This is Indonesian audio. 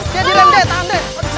dia di lem dek tahan dek